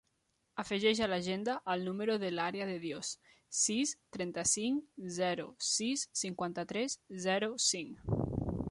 Afegeix a l'agenda el número de l'Arya De Dios: sis, trenta-cinc, zero, sis, cinquanta-tres, zero, cinc.